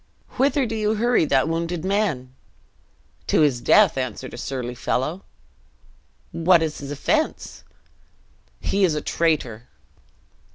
"Whither do you hurry that wounded man?" "To his death," answered a surly fellow. "What is his offense?" "He is a traitor."